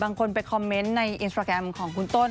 บางคนไปคอมเมนต์ในอินสตราแกรมของคุณต้น